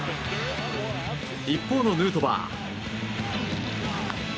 一方のヌートバー。